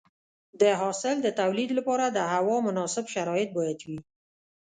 د حاصل د تولید لپاره د هوا مناسب شرایط باید وي.